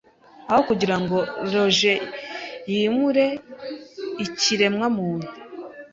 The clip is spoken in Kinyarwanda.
Aho kugira ngo Rogers yimure ikiremwamuntu